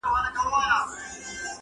• بس له اسمانه تندرونه اوري -